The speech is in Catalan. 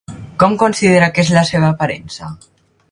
Com considera que és la seva aparença?